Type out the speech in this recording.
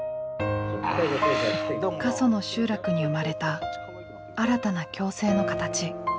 過疎の集落に生まれた新たな共生の形。